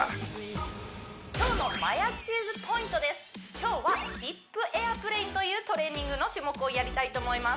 今日はヒップエアプレインというトレーニングの種目をやりたいと思います